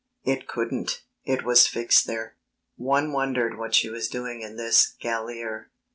It couldn't, it was fixed there. One wondered what she was doing in this galère.